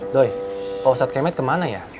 doi pak ustadz kemet kemana ya